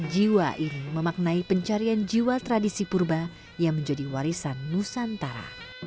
jiwa ini memaknai pencarian jiwa tradisi purba yang menjadi warisan nusantara